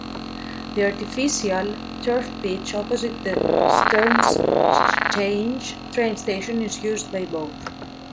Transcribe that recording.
The artificial turf pitch opposite the "Sternschanze" train station is used by both.